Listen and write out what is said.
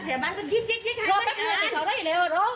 พยาบาลก็ยิบยิบยิบรอแป๊บนึงติดเขาเร็วเร็วรอ